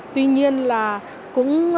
tuy nhiên là cũng